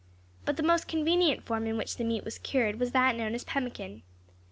But the most convenient form in which the meat was cured was that known as pemmican.